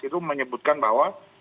itu menyebutkan bahwa